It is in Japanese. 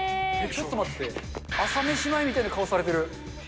ちょっと待って、朝飯前みたいな顔されてる。